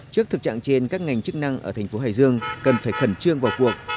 trước thực trạng trên các ngành chức năng ở thành phố hải dương cần phải khẩn trương vào cuộc